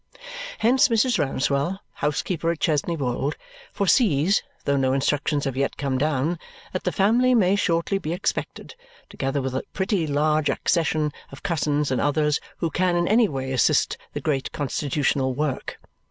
Hence Mrs. Rouncewell, housekeeper at Chesney Wold, foresees, though no instructions have yet come down, that the family may shortly be expected, together with a pretty large accession of cousins and others who can in any way assist the great Constitutional work.